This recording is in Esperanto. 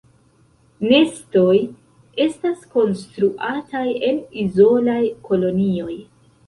Nestoj estas konstruataj en izolaj kolonioj.